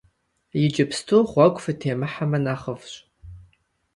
Иджыпсту гъуэгу фытемыхьэмэ нэхъыфӀщ!